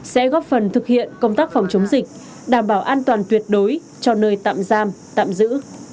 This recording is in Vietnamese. sẽ góp phần thực hiện công tác phòng chống dịch đảm bảo an toàn tuyệt đối cho nơi tạm giam tạm giữ